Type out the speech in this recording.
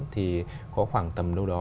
thì có khoảng tầm đâu đó